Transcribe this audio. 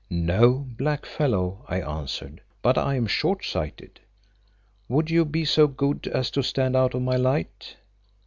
"No, Black Fellow," I answered, "but I am short sighted. Would you be so good as to stand out of my light?"